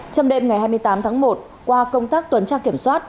trong đêm ngày hai mươi tám tháng một qua công tác tuần tra kiểm soát